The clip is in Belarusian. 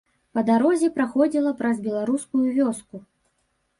Па дарозе праходзіла праз беларускую вёску.